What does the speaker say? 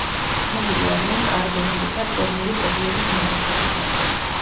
ცნობილი არიან კარბონული და პერმული პერიოდის ნალექებიდან.